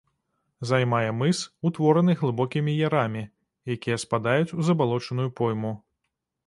Займае мыс, утвораны глыбокімі ярамі, якія спадаюць у забалочаную пойму.